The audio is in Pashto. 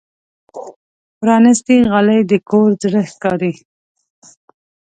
پرانستې غالۍ د کور زړه ښکاري.